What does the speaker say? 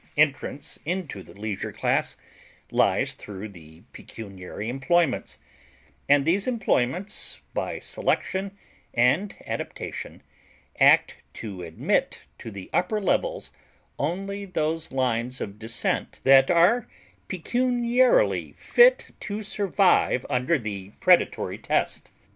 Entrance into the leisure class lies through the pecuniary employments, and these employments, by selection and adaptation, act to admit to the upper levels only those lines of descent that are pecuniarily fit to survive under the predatory test.